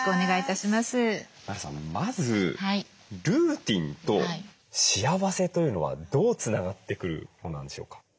まずルーティンと幸せというのはどうつながってくるものなんでしょうか？